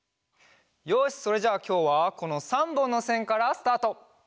よしそれじゃあきょうはこの３ぼんのせんからスタート！